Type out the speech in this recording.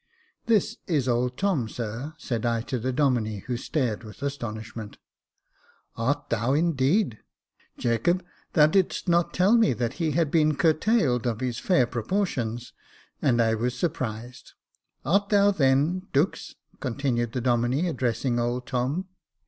" This is old Tom, sir," said I to the Domine, who stared with astonishment. Art thou, indeed ? Jacob, thou didst not tell me that he had been curtailed of his fair proportions, and I was surprised. Art thou then Dux ?" continued the Domine, addressing old Tom.